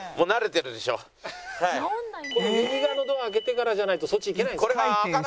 右側のドア開けてからじゃないとそっち行けないんですか？